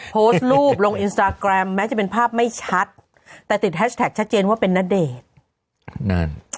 โพสต์รูปลงอินสตาแกรมแม้จะเป็นภาพไม่ชัดแต่ติดแฮชแท็กชัดเจนว่าเป็นณเดชน์นั่น